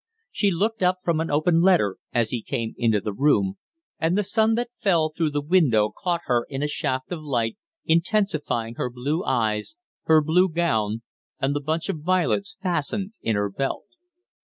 She looked up from an open letter as he came into the room, and the sun that fell through the window caught her in a shaft of light, intensifying her blue eyes, her blue gown, and the bunch of violets fastened in her belt.